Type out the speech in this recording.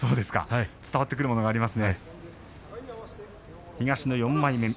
伝わってくるものがあります。